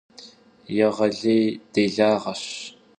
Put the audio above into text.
Yêğelêy dêlağeş.